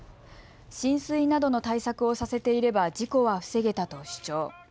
浸水などの対策をさせていれば事故は防げたと主張。